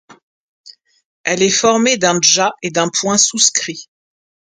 Elle est formée d’un djha et d’un point souscrit.